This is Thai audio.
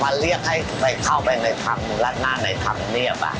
เรียกให้เข้าไปในรัดหน้าในธรรมเนียบ